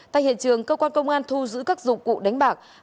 tại hiện trường công an thu giữ các dụng cụ đánh bạc